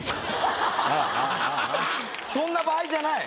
そんな場合じゃない？